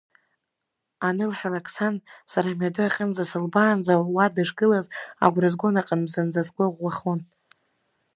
Анылҳәалак, сан сара амҩаду аҟынӡа сылбаанӡа уа дышгылаз агәра згон аҟынтә зынӡа сгәы ӷәӷәахон.